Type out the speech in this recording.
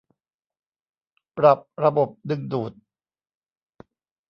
ปรับระบบดึงดูด